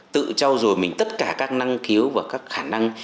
tự trao dồi mình tất cả các năng khiếu và các khả năng